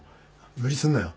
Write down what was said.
無理すんなよ。